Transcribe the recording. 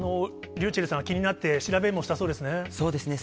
ｒｙｕｃｈｅｌｌさん、気になって、調べもしたそうですね。